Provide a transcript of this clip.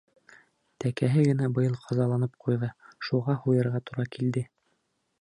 Тәкәһе генә быйыл ҡазаланып ҡуйҙы, шуға һуйырға тура килде.